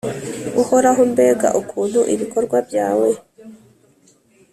uhoraho, mbega ukuntu ibikorwa byawe